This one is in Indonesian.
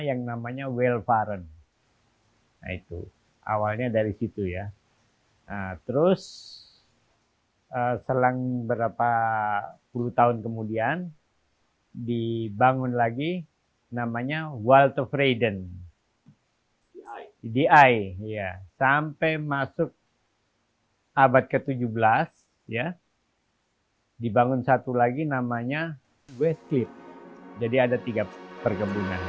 yang diperebutkan penjajah